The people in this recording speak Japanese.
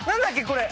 これ。